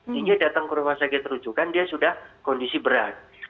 sehingga datang ke rumah sakit rujukan dia sudah kondisi berat